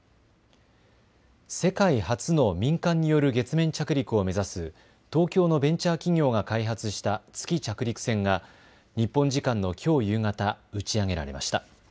世界初の民間による月面着陸を目指す東京のベンチャー企業が開発した月着陸船が日本時間のきょう夕方、打ち上げられました。